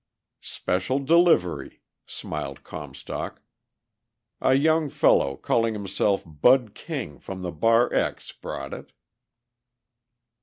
"Special delivery," smiled Comstock. "A young fellow, calling himself Bud King from the Bar X, brought it."